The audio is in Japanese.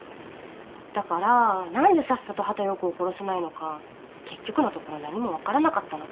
だから何でさっさと畑葉子を殺さないのか結局のところ何も分からなかったの。